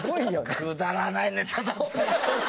くだらないネタだった。